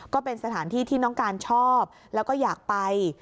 ก็เป็นสถานที่ที่น้องการชอบแล้วก็อยากไป